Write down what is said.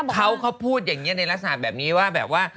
เขาก็พูดอย่างเนี้ยในลักษณะแบบนี้ว่า